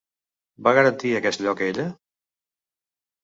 Va garantir aquest lloc ella?